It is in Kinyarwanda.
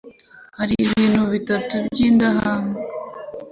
Hari ibintu bitatu by’indahaga